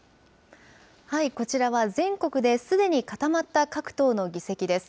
こちらは全国ですでに固まった各党の議席です。